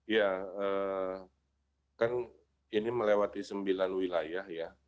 ya kan ini melewati sembilan wilayah ya